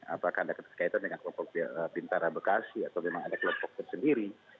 apakah ada keterkaitan dengan kelompok bintara bekasi atau memang ada kelompok tersendiri